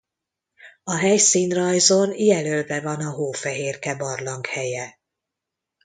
A helyszínrajzon jelölve van a Hófehérke-barlang helye.